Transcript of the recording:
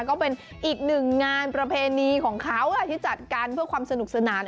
ก็เป็นอีกหนึ่งงานประเพณีของเขาที่จัดกันเพื่อความสนุกสนาน